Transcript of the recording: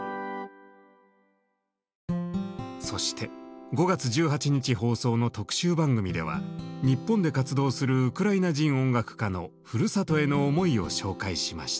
そして５月１８日放送の特集番組では日本で活動するウクライナ人音楽家のふるさとへの思いを紹介しました。